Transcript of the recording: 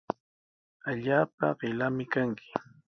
Allaapa qillami kanki.